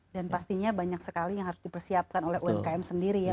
dan pastinya banyak sekali yang harus dipersiapkan oleh umkm sendiri ya